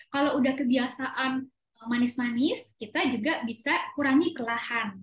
kalau sudah kebiasaan manis manis kita juga bisa kurangi perlahan